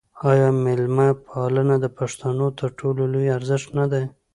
آیا میلمه پالنه د پښتنو تر ټولو لوی ارزښت نه دی؟